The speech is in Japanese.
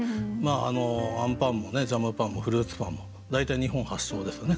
あのあんパンもジャムパンもフルーツパンも大体日本発祥ですよね。